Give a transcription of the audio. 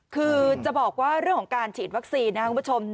คือจะบอกว่าเรื่องของการฉีดวัคซีนนะครับคุณผู้ชม